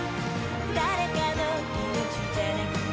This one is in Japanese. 「誰かのいのちじゃなくて」